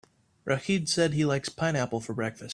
Rachid said he likes pineapple for breakfast.